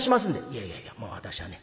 「いやいやいやもう私はね